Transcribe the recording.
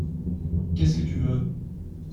Qu’est-ce que tu veux ?